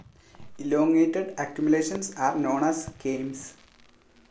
Elongated accumulations are known as kames.